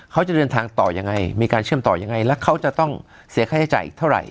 เขาจะเดินทางต่อยังไงมีการเชื่อมต่อยังไงแล้วเขาจะต้องเสียค่าใช้จ่ายอีกเท่าไหร